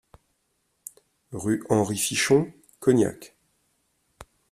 Rue Henri Fichon, Cognac